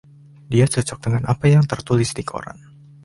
Dia cocok dengan apa yang tertulis di koran.